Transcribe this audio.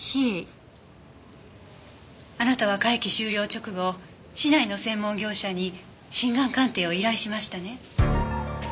あなたは会期終了直後市内の専門業者に真贋鑑定を依頼しましたね？